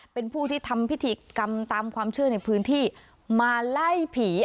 เป็นผู้ที่ทำพิธีกรรมตามความเชื่อในพื้นที่มาไล่ผี